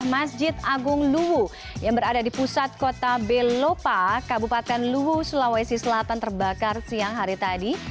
masjid agung luwu yang berada di pusat kota belopa kabupaten luwu sulawesi selatan terbakar siang hari tadi